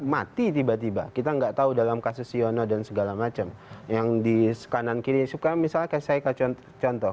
mati tiba tiba kita nggak tahu dalam kasus yono dan segala macem yang di sekanan kiri suka misalkan saya ke contoh contoh